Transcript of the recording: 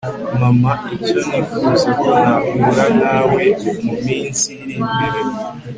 mama, icyo nifuza ko nakura nkawe muminsi iri imbere